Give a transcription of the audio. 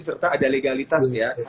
serta ada legalitas ya